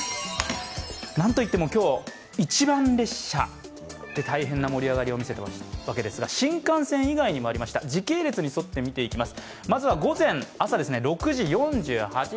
何といっても今日、一番列車で大変な盛り上がりを見せたわけですが新幹線以外にもありました、時系列に沿って見ていきます。